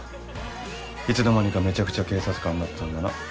いつの間にかめちゃくちゃ警察官になってたんだな。